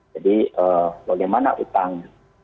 jadi bagaimana utang